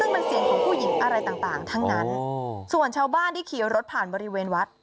ซึ่งเป็นเสียงของผู้หญิงอะไรต่างทั้งนั้นส่วนชาวบ้านที่ขี่รถผ่านบริเวณวัด